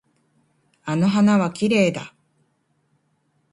あの花はきれいだ。